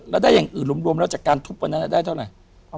แล้วได้อย่างอื่นโดมกันจากทุบเป็นได้เท่าไหร่